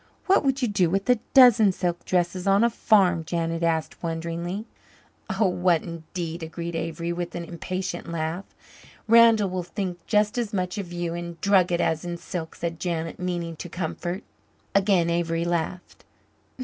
"What would you do with a dozen silk dresses on a farm?" Janet asked wonderingly. "Oh what indeed?" agreed Avery, with an impatient laugh. "Randall will think just as much of you in drugget as in silk," said Janet, meaning to comfort. Again Avery laughed.